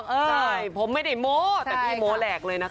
ใช่ผมไม่ได้โม้แต่พี่โม้แหลกเลยนะคะ